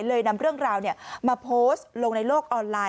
นำเรื่องราวมาโพสต์ลงในโลกออนไลน